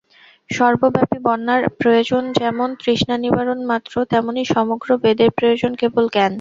সর্বব্যাপী বন্যার প্রয়োজন যেমন তৃষ্ণানিবারণ মাত্র, তেমনি সমগ্র বেদের প্রয়োজন কেবল জ্ঞান।